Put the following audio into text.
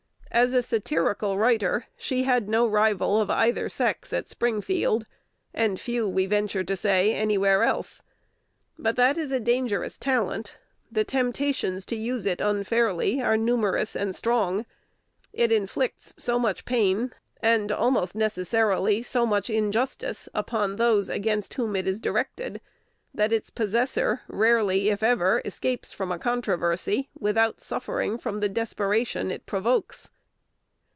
As a satirical writer, she had no rival of either sex at Springfield, and few, we venture to say, anywhere else. But that is a dangerous talent: the temptations to use it unfairly are numerous and strong; it inflicts so much pain, and almost necessarily so much injustice, upon those against whom it is directed, that its possessor rarely, if ever, escapes from a controversy without suffering from the desperation it provokes.